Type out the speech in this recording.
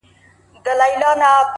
چي زه تورنه ته تورن سې گرانه ،